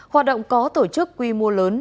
hoạt động có tổ chức quy mô lớn